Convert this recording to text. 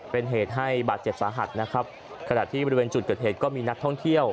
เป็นเหตุให้บาดเจ็บสาหัสนะครับขณะที่บริเวณจุดเกิดเหตุก็มีนักท่องเที่ยว